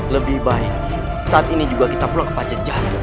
lebih baik saat ini juga kita pulang ke pajak